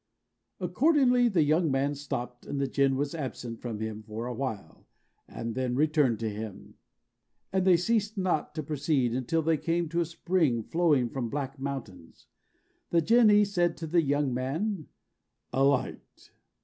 Accordingly the young man stopped, and the Jinn was absent from him for a while, and then returned to him; and they ceased not to proceed until they came to a spring flowing from black mountains. The Jinnee said to the young man, "Alight."